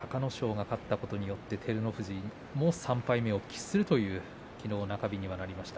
隆の勝が勝ったことによって照ノ富士が３敗目を喫するという中でいます。